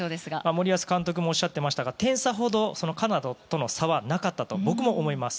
森保監督もおっしゃってましたが点差ほどカナダとの差はなかったと、僕も思います。